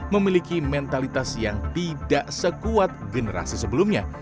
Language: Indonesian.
memiliki mentalitas yang tidak sekuat generasi sebelumnya